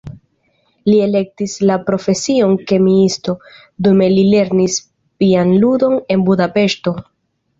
Li elektis la profesion kemiisto, dume li lernis pianludon en Budapeŝto.